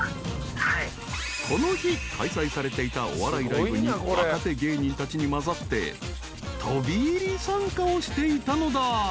［この日開催されていたお笑いライブに若手芸人たちに交ざって飛び入り参加をしていたのだ］